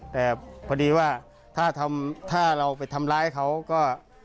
แต่พอดีว่าถ้าเราไปทำร้ายเขาก็